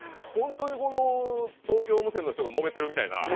本当にこの東京無線の人がもめてるみたいな。